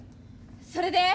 それで？